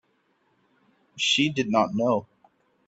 She did not know.